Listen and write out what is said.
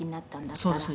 「そうですね